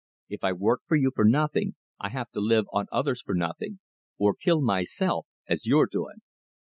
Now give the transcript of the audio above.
If I work for you for nothing, I have to live on others for nothing, or kill myself as you're doing."